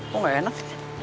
kok gak enak